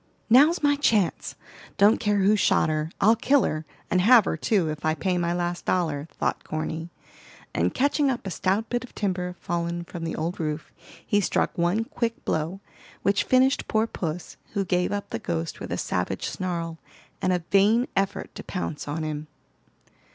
"Now's my chance! Don't care who shot her, I'll kill her, and have her too, if I pay my last dollar," thought Corny; and catching up a stout bit of timber fallen from the old roof, he struck one quick blow, which finished poor puss, who gave up the ghost with a savage snarl, and a vain effort to pounce on him.